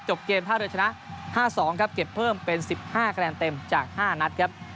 เกมท่าเรือชนะ๕๒ครับเก็บเพิ่มเป็น๑๕คะแนนเต็มจาก๕นัดครับ